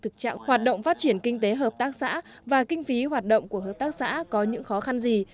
thực trạng hoạt động phát triển kinh tế hợp tác xã và kinh phí hoạt động của hợp tác xã có những khó khăn gì